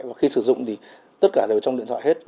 và khi sử dụng thì tất cả đều ở trong điện thoại hết